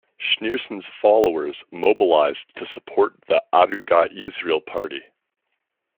Schneerson's followers mobilized to support the Agudat Yisrael party.